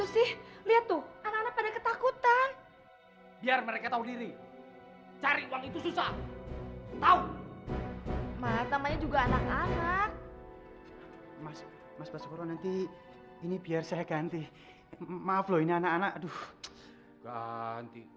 selamatkan dia dari gode gode